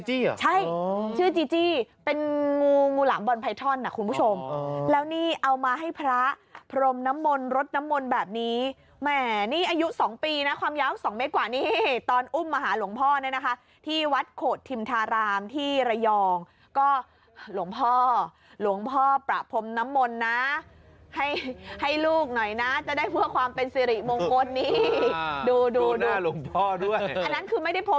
นี่ชื่อจิจิเหรอโอ้โหโอ้โหโอ้โหโอ้โหโอ้โหโอ้โหโอ้โหโอ้โหโอ้โหโอ้โหโอ้โหโอ้โหโอ้โหโอ้โหโอ้โหโอ้โหโอ้โหโอ้โหโอ้โหโอ้โหโอ้โหโอ้โหโอ้โหโอ้โหโอ้โหโอ้โหโอ้โหโอ้โหโอ้โหโอ้โหโอ้โหโอ้โหโอ้โหโอ้โหโ